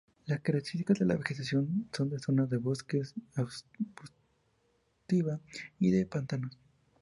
Las características de la vegetación son de zona de bosques, arbustiva, y de pantanos.